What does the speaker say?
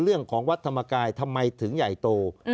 เรื่องของวัดธรรมกายทำไมถึงใหญ่โต